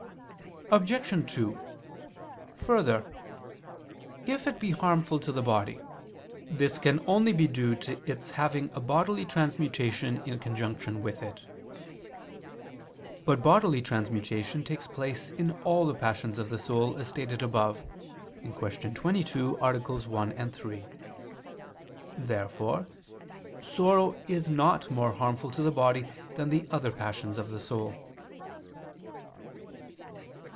Obj. 2: Further if it be harmful to the body, this can only be due to its having a bodily transmutation in conjunction with it. But bodily transmutation takes place in all the passions of the soul, as stated above (Q. 22, AA. 1, 3). Therefore sorrow is not more harmful to the body than the other passions of the soul.